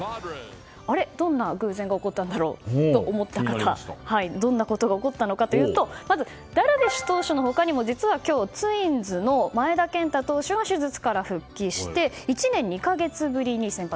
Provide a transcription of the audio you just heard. どんな偶然が起こったんだろうと思った方どんなことが起こったのかというとまず、ダルビッシュ投手の他にも実は今日ツインズの前田健太投手は手術から復帰して１年２か月ぶりに先発。